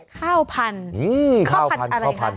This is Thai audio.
ข้าวพันข้าวพันอะไรคะ